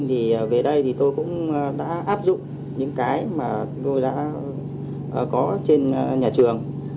thì về đây thì tôi cũng đã áp dụng những cái mà tôi đã có trên nhà trường